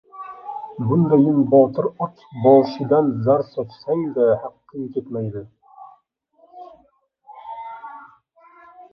Bundayin botir ot boshidan zar sochsang-da, haqing ketmaydi!